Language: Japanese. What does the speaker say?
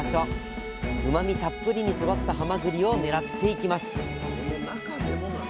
うまみたっぷりに育ったはまぐりを狙っていきます